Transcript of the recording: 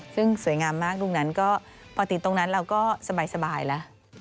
ซึ่งสวยงามมากตรงนั้นก็พอติดตรงนั้นเราก็สบายแล้ว